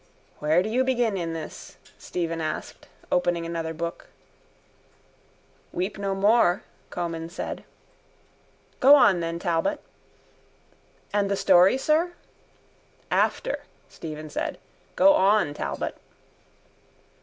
—Where do you begin in this? Stephen asked, opening another book. —Weep no more, Comyn said. —Go on then, Talbot. —And the story, sir? —After, Stephen said. Go on, Talbot.